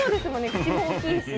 口も大きいし。